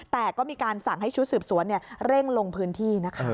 แต่ก็มีการสั่งให้ชุดสืบสวนเร่งลงพื้นที่นะคะ